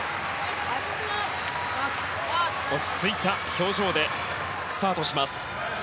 落ち着いた表情でスタートします。